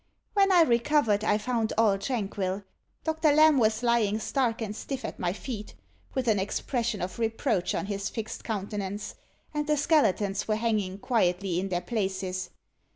When I recovered, I found all tranquil. Doctor Lamb was lying stark and stiff at my feet, with an expression of reproach on his fixed countenance; and the skeletons were hanging quietly in their places.